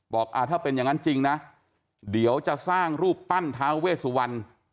บอกถ้าเป็นอย่างนั้นจริงนะเดี๋ยวจะสร้างรูปปั้นท้าเวสุวรรณ